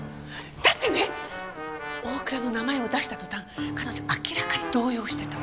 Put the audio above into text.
だってね大倉の名前を出した途端彼女明らかに動揺してた。